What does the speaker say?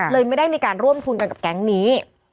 ไม่ได้มีการร่วมทุนกันกับแก๊งนี้